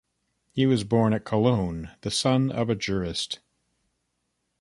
He was born at Cologne, the son of a jurist.